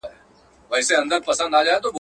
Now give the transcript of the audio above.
ستا د زهرې پلوشې وتخنوم.